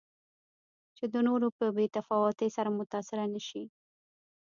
چې د نورو په بې تفاوتۍ سره متأثره نه شي.